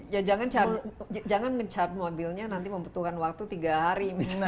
ya jangan men charge mobilnya nanti membutuhkan waktu tiga hari misalnya